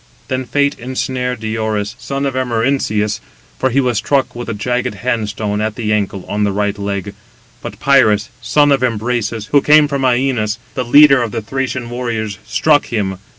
Then fate ensnared Diores, son of Amarynceus; for he was struck with a jagged hand stone, at the ankle, on the right leg; but Pirus, son of Imbrasus, who came from Ænos, the leader of the Thracian warriors, struck him.